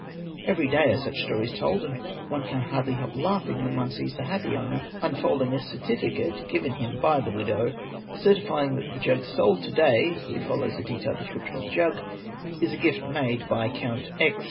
Every _ day are such stories told and one can hardly help laughing when one sees the happy owner unfolding a certificate given him by the widow certifying that the jug sold to day (here follows a detailed description of the jug) is a gift made by Count X......